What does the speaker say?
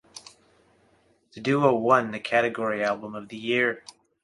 The duo won the category Album of the Year.